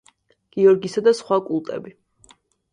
გიორგისა და სხვა კულტები.